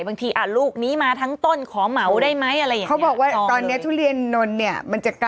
เมื่อนางออกลูกนางไม่ต้อง